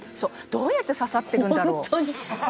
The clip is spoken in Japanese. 「どうやって刺さってるんだろう」「ホントに！」